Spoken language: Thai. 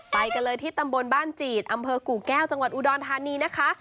ไปกันเลยที่ตำบลบ้านจีดอำเภอกู่แก้วจังหวัดอุดรธานีนะคะ